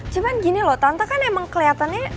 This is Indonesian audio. cuman gini loh tante kan emang keliatannya